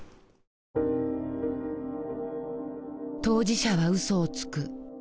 「当事者は嘘をつく」。